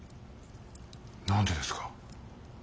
何でですか？